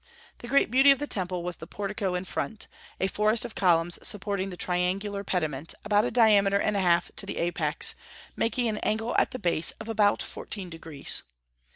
The great beauty of the temple was the portico in front, a forest of columns supporting the triangular pediment, about a diameter and a half to the apex, making an angle at the base of about fourteen degrees.